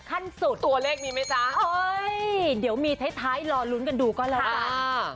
ขั้นสุดตัวเลขมีไหมจ๊ะเฮ้ยเดี๋ยวมีท้ายรอลุ้นกันดูก็แล้วกัน